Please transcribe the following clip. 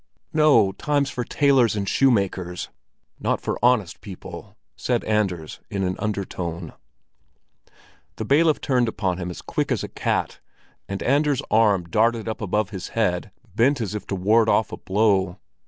"No, time's for tailors and shoemakers, not for honest people!" said Anders in an undertone. The bailiff turned upon him as quick as a cat, and Anders' arm darted up above his head bent as if to ward off a blow.